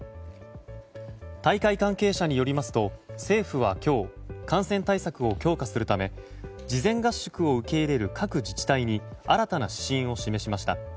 大会関係者によりますと政府は今日感染対策を強化するため事前合宿を受け入れる各自治体に新たな指針を示しました。